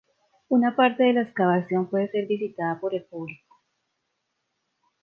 Una parte de la excavación puede ser visitada por el público.